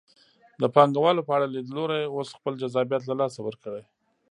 د پانګوالو په اړه لیدلوري اوس خپل جذابیت له لاسه ورکړی.